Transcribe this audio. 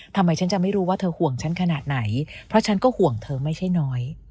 ทำไมฉันจะไม่รู้ว่าเธอห่วงฉันขนาดไหนเพราะฉันก็ห่วงเธอไม่ใช่น้อย